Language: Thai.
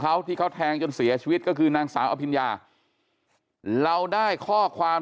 เขาที่เขาแทงจนเสียชีวิตก็คือนางสาวอภิญญาเราได้ข้อความ